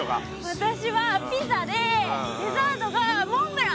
私はピザでデザートがモンブラン！